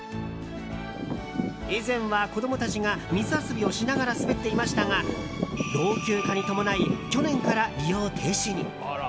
以前は、子供たちが水遊びをしながら滑っていましたが老朽化に伴い去年から利用停止に。